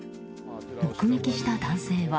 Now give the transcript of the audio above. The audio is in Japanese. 目撃した男性は。